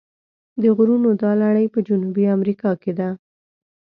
د غرونو دا لړۍ په جنوبي امریکا کې ده.